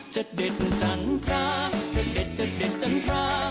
เด็ดจันทราจะเด็ดจะเด็ดจันทรา